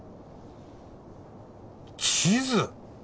地図！